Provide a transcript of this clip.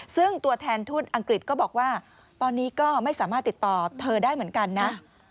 ซึ่งตัวแทนทูตอังกฤษก็บอกว่าตอนนี้ก็ไม่สามารถติดต่อเธอได้เหมือนกันนะ